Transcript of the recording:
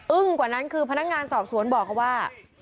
กว่านั้นคือพนักงานสอบสวนบอกเขาว่า